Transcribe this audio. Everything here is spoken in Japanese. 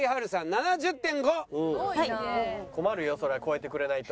困るよそれ超えてくれないと。